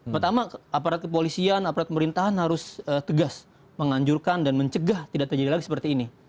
pertama aparat kepolisian aparat pemerintahan harus tegas menganjurkan dan mencegah tidak terjadi lagi seperti ini